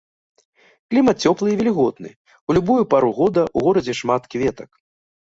Клімат цёплы і вільготны, у любую пару года ў горадзе шмат кветак.